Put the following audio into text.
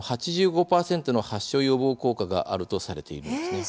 ８５％の発症予防効果があるとされているんですね。